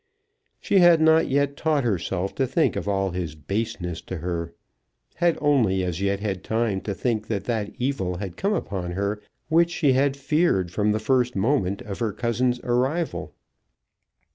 She had not yet taught herself to think of all his baseness to her, had only as yet had time to think that that evil had come upon her which she had feared from the first moment of her cousin's arrival.